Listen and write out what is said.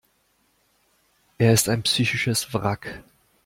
Er ist ein psychisches Wrack.